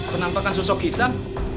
penampakan sosok hitam